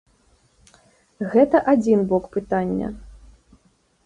Гэта адзін бок пытання.